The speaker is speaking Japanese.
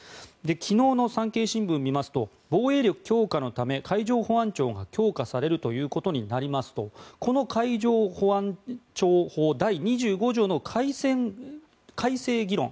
昨日の産経新聞を見ますと防衛力強化のため海上保安庁が強化されるということになりますとこの海上保安庁法第２５条の改正議論